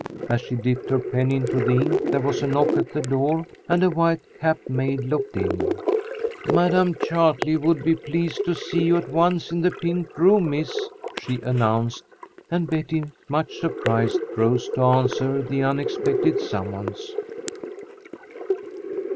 As she dipped her pen into the ink, there was a knock at the door, and a white capped maid looked in. "Madam Chartley would be pleased to see you at once in the pink room, miss," she announced, and Betty, much surprised, rose to answer the unexpected summons.